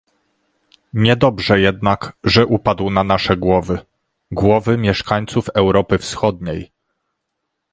Niedobrze jednak, że upadł na nasze głowy - głowy mieszkańców Europy Wschodniej